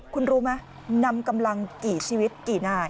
คุณรู้ไหมนำกำลังกี่ชีวิตกี่นาย